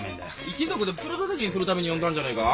一族で袋だたきにするために呼んだんじゃねえか？